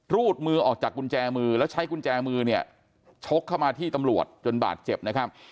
รูดมือออกจากกุญแจมือแล้วใช้กุญแจมือเนี่ยชกเข้ามาที่ตำรวจจนบาดเจ็บนะครับ